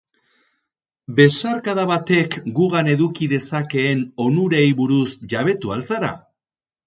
Besarkada batek gugan eduki dezakeen onurei buruz jabetu al zara?